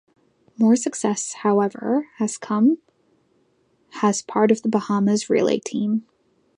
More success, however, has come has part of the Bahamas relay team.